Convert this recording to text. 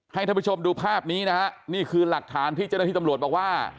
ท่านผู้ชมดูภาพนี้นะฮะนี่คือหลักฐานที่เจ้าหน้าที่ตำรวจบอกว่า